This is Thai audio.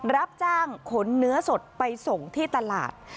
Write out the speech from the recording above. รับจ้างขนเนื้อสดไปส่งที่ตลาด